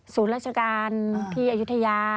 ศูนย์ราชการที่อยุธยา